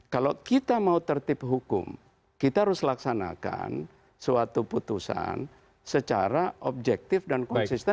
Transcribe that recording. kalau kita mau tertib hukum kita harus laksanakan suatu putusan secara objektif dan konsisten